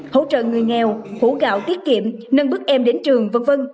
hỗ trợ người nghèo khủ gạo tiết kiệm nâng bước em đến trường v v